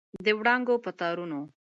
د وړانګو په تارونو